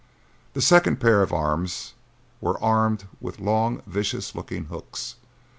The second pair of arms were armed with long, vicious looking hooks.